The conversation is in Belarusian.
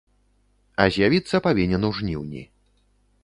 А з'явіцца павінен у жніўні.